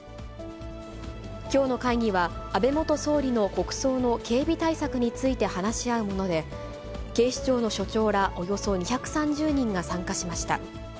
きょうの会議は、安倍元総理の国葬の警備対策について話し合うもので、警視庁の署長らおよそ２３０人が参加しました。